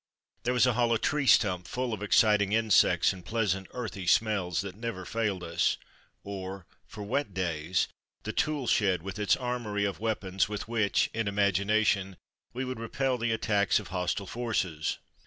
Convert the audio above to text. There was a hollow tree stump full of exciting insects and pleasant earthy smells that never failed us, or, for wet days, the tool shed, with its armoury of weapons with which, in imagination, we would repel the attacks of hostile forces.